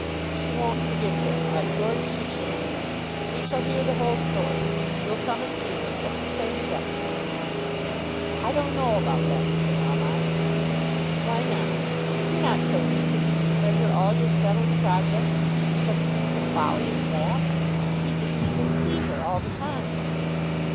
"She won't forgive him. By George, she shan't. She shall hear the whole story. You'll come and see her just the same as ever!" "I don't know about that, Mr. Melmotte." "Why not? You're not so weak as to surrender all your settled projects for such a piece of folly as that! He didn't even see her all the time."